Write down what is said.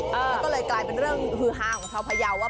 มันก็เลยกลายเป็นเรื่องฮือฮาของเฉพาะพระเยาว์ว่า